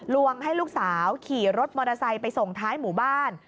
ลวงให้ลูกสาวขี่รถมอเตอร์ไซค์ไปส่งท้ายหมู่บ้าน